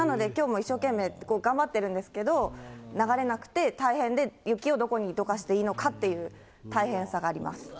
なので、きょうも一生懸命頑張ってるんですけど、流れなくて、大変で、雪をどこにどかしていいのかっていう大変さがあります。